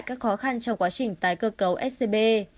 các khó khăn trong quá trình tái cơ cấu scb